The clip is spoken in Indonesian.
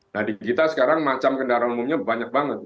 nah di kita sekarang macam kendaraan umumnya banyak banget